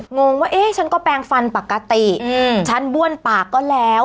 งงว่าเอ๊ะฉันก็แปลงฟันปกติฉันบ้วนปากก็แล้ว